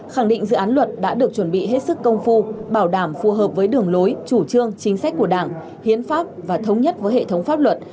khẳng định dự án luật đã được chuẩn bị hết sức công phu bảo đảm phù hợp với đường lối chủ trương chính sách của đảng hiến pháp và thống nhất với hệ thống pháp luật